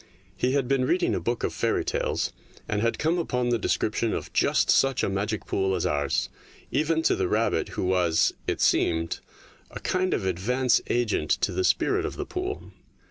He had been reading a book of fairy stories, and had come upon the description of just such a magic pool as ours, even to the rabbit who was, it seemed, a kind of advance agent to the spirit of the pool.